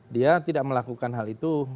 dia tidak melakukan hal itu